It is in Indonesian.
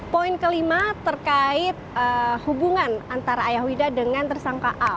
poin kelima terkait hubungan antara ayah wida dengan tersangka a